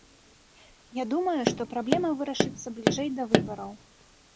Я думаю, што праблема вырашыцца бліжэй да выбараў.